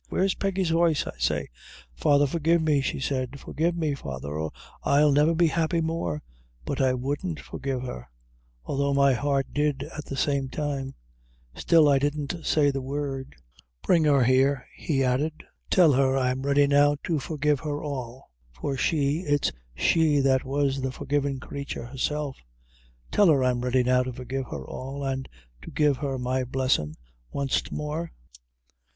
Where's Peggy's voice, I say? 'Father, forgive me,' she said, 'forgive me, father, or I'll never be happy more;' but I wouldn't forgive her, although my heart did at the same time; still I didn't say the word: bring her here," he added, "tell her I'm ready now to forgive her all; for she, it's she that was the forgivin' creature herself; tell her I'm ready now to forgive her all, an' to give her my blessin' wanst more."